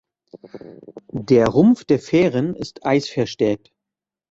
Der Rumpf der Fähren ist eisverstärkt.